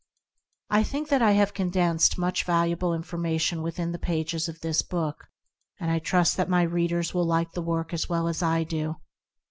I think that I have condensed much valuable infor mation within the pages of this book, and I trust that my readers will like the work as well as do I.